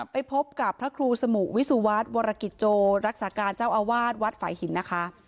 ไปพบกับพระครูสมุวิสุวัสดิวรกิจโจรักษาการเจ้าอาวาสวัดฝ่ายหินนะคะ